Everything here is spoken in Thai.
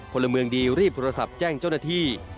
พลเมืองดีรีบโทรศัพท์แจ้งเจ้าหน้าที่